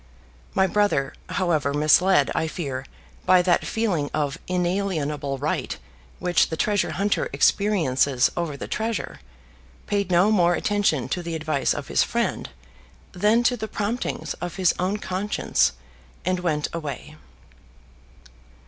My brother, however, misled, I fear, by that feeling of inalienable right which the treasure hunter experiences over the treasure, paid no more attention to the advice of his friend than to the promptings of his own conscience, and went his way.